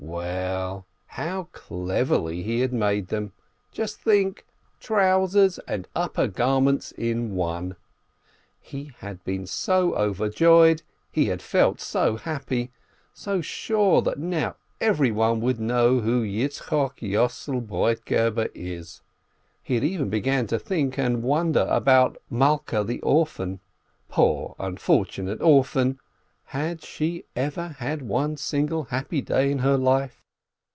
How well, how cleverly he had made them ! Just think : trousers and upper garment in one! He had been so overjoyed, he had felt so happy. So sure that now everyone would know who Yitzchok Yossel Broitgeber is ! He had even begun to think and wonder about Malkeh the orphan — poor, unfortunate orphan ! Had she ever had one single happy day in her life?